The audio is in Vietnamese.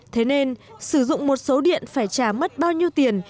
thế nên sử dụng một số điện phải trả mất bao nhiêu tiền